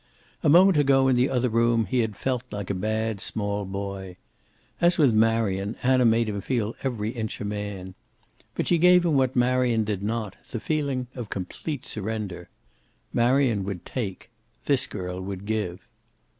A moment ago, in the other room, he had felt like a bad small boy. As with Marion, Anna made him feel every inch a man. But she gave him what Marion did not, the feeling of her complete surrender. Marion would take; this girl would give.